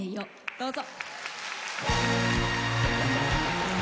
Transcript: どうぞ。